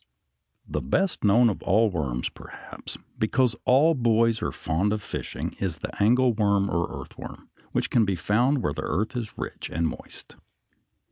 ] The best known of all worms, perhaps, because all boys are fond of fishing, is the angleworm or earthworm (Fig. 74), which can be found where the earth is rich and moist.